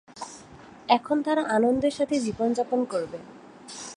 এখন তারা আনন্দের সাথে জীবনযাপন করবে।